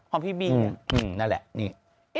ของพี่บินนั่นแหละนี่